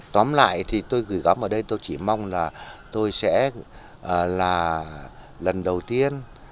tóm lại thì tôi gửi gắm ở đây tôi chỉ mong là tôi sẽ là lần đầu tiên